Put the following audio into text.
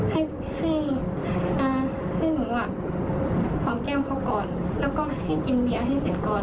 ให้ให้หนูหอมแก้มเขาก่อนแล้วก็ให้กินเบียร์ให้เสร็จก่อน